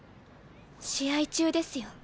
試合中ですよ。